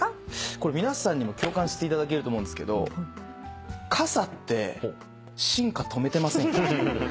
これ皆さんにも共感していただけると思うんですけど傘って進化止めてませんか？